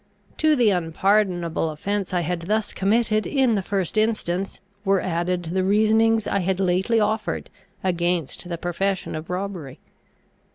To the unpardonable offence I had thus committed in the first instance, were added the reasonings I had lately offered against the profession of robbery.